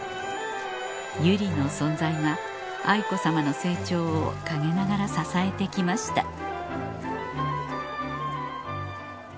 由莉の存在が愛子さまの成長を陰ながら支えて来ました